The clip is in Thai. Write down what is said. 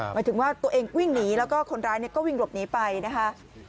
หมายถึงว่าตัวเองวิ่งหนีแล้วก็คนร้ายก็วิ่งหลบหนีไปนะคะ